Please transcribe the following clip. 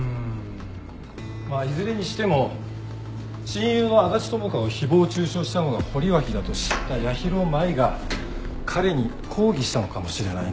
まあいずれにしても親友の安達智花を誹謗中傷したのが堀脇だと知った八尋舞が彼に抗議したのかもしれないね。